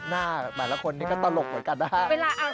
หน้าหลายละคนนี้ก็ตลกเหมือนกัน